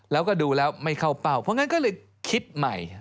แล้วก็ดูแล้วไม่เข้าเป้าเพราะงั้นก็เลยคิดใหม่